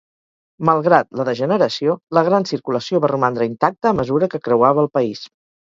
Malgrat la degeneració, la gran circulació va romandre intacta a mesura que creuava el país.